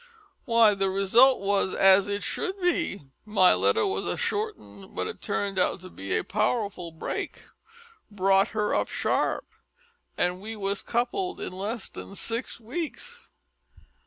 "W'y, the result wos as it should be! My letter was a short 'un, but it turned out to be a powerful brake. Brought her up sharp an' we was coupled in less than six weeks."